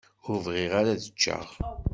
Ur bɣiɣ ara ad ččeɣ.